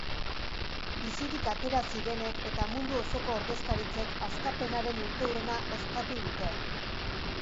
Bizirik atera zirenek eta mundu osoko ordezkaritzek askapenaren urteurrena ospatu dute.